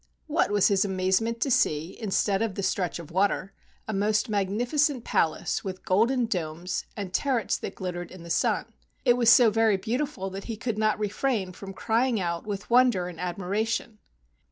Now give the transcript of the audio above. What was his amazement to see, instead of the stretch of water, a most magnificent palace with golden domes, and turrets that glittered in the sun. It was so very beautiful that he could not refrain from crying out with wonder and admiration.